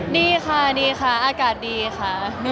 ดีค่ะดีค่ะอากาศดีค่ะ